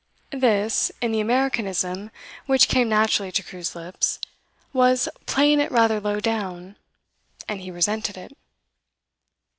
This, in the Americanism which came naturally to Crewe's lips, was 'playing it rather low down,' and he resented it.